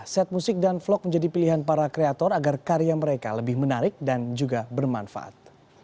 set musik dan vlog menjadi pilihan para kreator agar karya mereka lebih menarik dan juga bermanfaat